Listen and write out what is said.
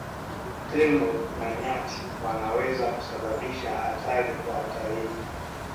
Tembo na nyati wanaweza kusababisha hatari kwa watalii